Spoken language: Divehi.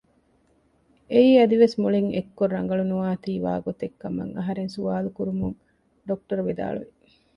އެއީ އަދިވެސް މުޅިން އެއްކޮށް ރަނގަޅުނުވާތީ ވާގޮތެއް ކަމަށް އަހަރެން ސުވާލުކުރުމުން ޑޮކްޓަރ ވިދާޅުވި